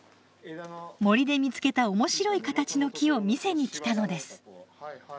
森で見つけた面白い形の木を見せに来たのです。